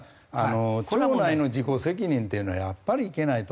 町内の自己責任っていうのはやっぱりいけないと思うし。